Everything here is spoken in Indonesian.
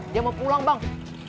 dia mau pulang bang